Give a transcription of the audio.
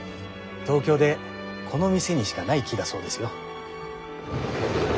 東京でこの店にしかない木だそうですよ。